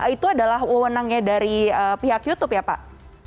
itu adalah wewenangnya dari pihak youtube ya pak